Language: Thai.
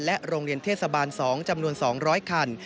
โรงเรียนเทศบาล๒จำนวน๒๐๐คัน